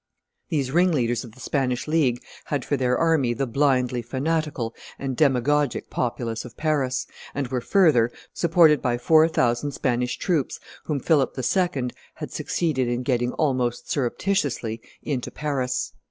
These ringleaders of the Spanish League had for their army the blindly fanatical and demagogic populace of Paris, and were, further, supported by four thousand Spanish troops whom Philip II. had succeeded in getting almost surreptitiously into Paris.